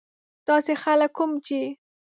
داسې خلک کوم چې.